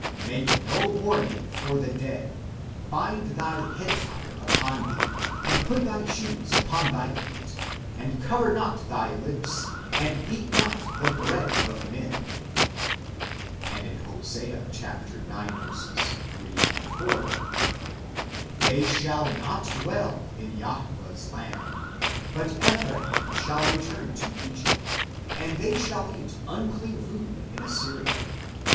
make no mourning for the dead, bind thy headtire upon thee, and put thy shoes upon thy feet, and cover not thy lips, and eat not the bread of men "; and in Hosea ix. 3, 4 :" They shall not dwell in Jahwe s land ; but Ephraim shall return to Egypt, and they shall eat unclean food in Assyria.